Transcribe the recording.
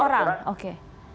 enam ratus orang oke